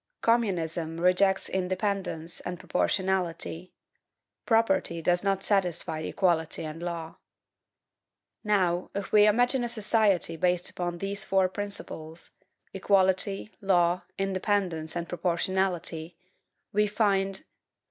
Communism rejects independence and proportionality; property does not satisfy equality and law. Now, if we imagine a society based upon these four principles, equality, law, independence, and proportionality, we find: 1.